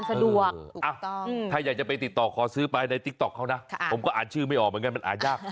ออกจากบ้าน